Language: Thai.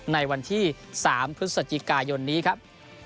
ในวันที่๓พฤศจิกายนนี้ครับ